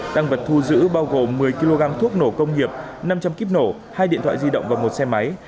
tăng vật thu giữ bao gồm một mươi kg thuốc nổ công nghiệp năm trăm linh kíp nổ hai điện thoại di động và một xe máy